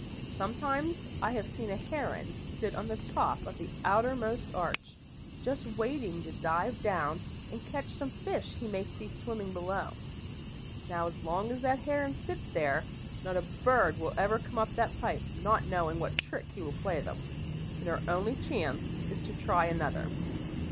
Sometimes I have seen a heron sit on the top of the outermost arch, just waiting to dive down and catch some fish he may see swimming below. Now as long as that heron sits there, not a bird will ever come up that pipe, not knowing what trick he will play them, and our only chance is to try another.